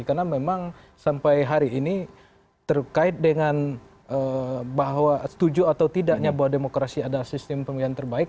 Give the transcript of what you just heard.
karena memang sampai hari ini terkait dengan bahwa setuju atau tidaknya bahwa demokrasi adalah sistem pemilihan terbaik